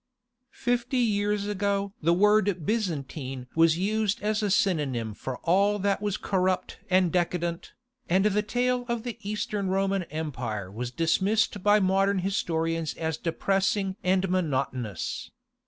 Fifty years ago the word "Byzantine" was used as a synonym for all that was corrupt and decadent, and the tale of the East Roman Empire was dismissed by modern historians as depressing and monotonous.